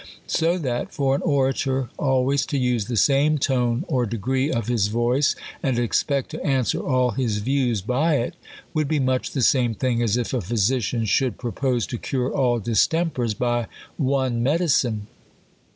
So that for an orator always to use the same tone or degree of his voice, and expect to answer all his views by it, would be much the same thing as if a physician should propose to cure all distempers by one medicine.